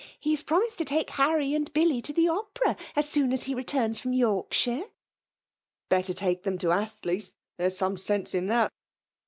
He has promised to take Harry and Billy to the Opera, as soon as he returns from Yorkshire.'* *' Better take them to Astley's; there is some sense in that